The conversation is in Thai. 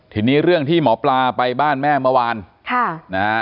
ทีนี้เรื่องที่หมอปลาไปบ้านแม่เมื่อวานค่ะนะฮะ